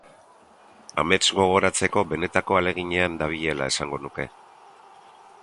Amets gogoratzeko benetako ahaleginean dabilela esango luke.